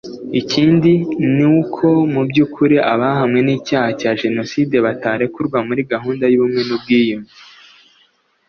Ikindi ni uko mu by’ukuri abahamwe n’icyaha cya Jenoside batarekurwa muri gahunda y’Ubumwe n’Ubwiyunge